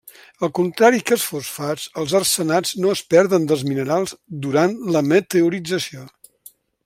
Al contrari que els fosfats, els arsenats no es perden dels minerals durant la meteorització.